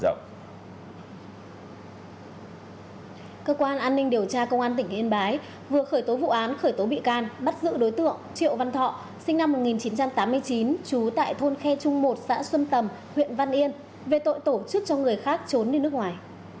cơ quan an ninh điều tra công an tỉnh yên bái vừa khởi tố vụ án khởi tố bị can bắt giữ đối tượng triệu văn thọ sinh năm một nghìn chín trăm tám mươi chín trú tại thôn khe trung một xã xuân tầm huyện văn yên về tội tổ chức cho người khác trốn đi nước ngoài